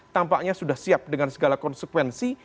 tampaknya sudah siap dengan segala konsekuensi